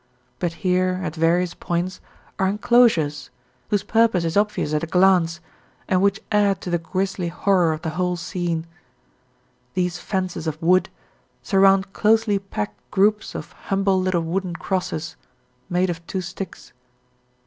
But here, at various points, are enclosures, whose purpose is obvious at a glance and which add to the grisly horror of the whole scene; these fences of wood surround closely packed groups of humble little wooden crosses made of two sticks.